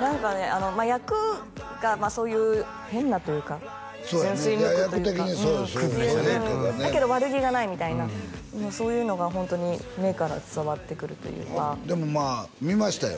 何かね役がそういう変なというか純粋無垢というか役的にそうやそういう役やからねだけど悪気がないみたいなそういうのがホントに目から伝わってくるというかでもまあ見ましたよ